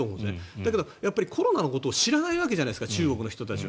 だけどコロナのことを知らないわけじゃないですか中国の人たちは。